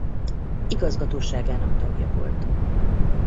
Igazgatóságának tagja volt.